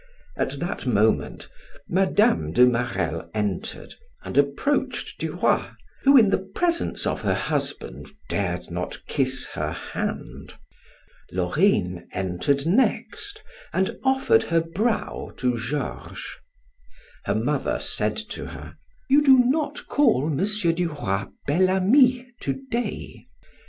At that moment Mme. de Marelle entered and approached Duroy, who in the presence of her husband dared not kiss her hand. Laurine entered next, and offered her brow to Georges. Her mother said to her: "You do not call M. Duroy Bel Ami to day."